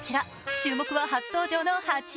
注目は初登場の８位。